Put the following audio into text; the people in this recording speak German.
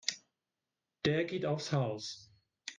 Der geht aufs Haus.